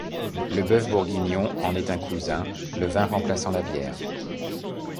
Le bœuf bourguignon en est un cousin, le vin remplaçant la bière.